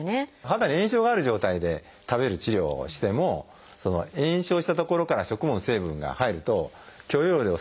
肌に炎症がある状態で食べる治療をしても炎症したところから食物の成分が入ると許容量を下げてしまいますので。